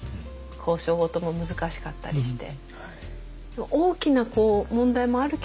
交渉事も難しかったりして。